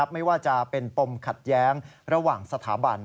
ไม่ว่าจะเป็นปมขัดแย้งระหว่างสถาบัน